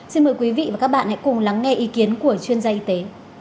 xin mời quý vị và các bạn hãy cùng lắng nghe ý kiến của chuyên gia y tế